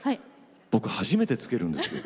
僕初めて着けるんですよ。